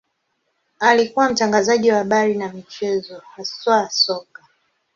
Alikuwa mtangazaji wa habari na michezo, haswa soka.